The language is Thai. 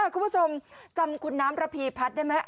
คุณผู้ชมจำคุณน้ำระพีพัฒน์ได้ไหม